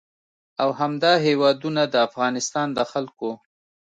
او همدا هېوادونه د افغانستان د خلکو